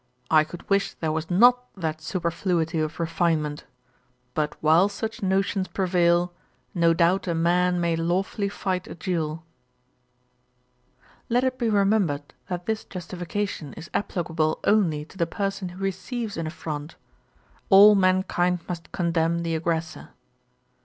I could wish there was not that superfluity of refinement; but while such notions prevail, no doubt a man may lawfully fight a duel.' Let it be remembered, that this justification is applicable only to the person who receives an affront. All mankind must condemn the aggressor.